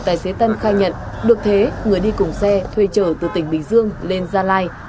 tài xế điều khiển xe là phan văn thế cùng chú tỉnh nghệ an